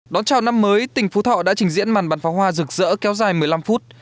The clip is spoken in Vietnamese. đón chào năm mới tỉnh phú thọ đã trình diễn màn bắn pháo hoa rực rỡ kéo dài một mươi năm phút